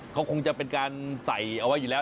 เขาคงจะเป็นการใส่เอาไว้อยู่แล้ว